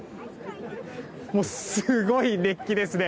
すごい熱気ですね！